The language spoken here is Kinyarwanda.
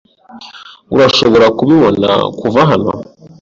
Urashobora kubibona kuva hano.